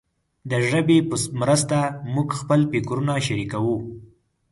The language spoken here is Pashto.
د ژبې په مرسته موږ خپل فکرونه شریکوو.